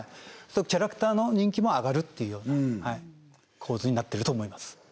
キャラクターの人気も上がるっていうような構図になってると思います